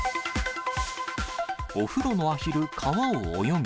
お風呂のアヒル川を泳ぐ。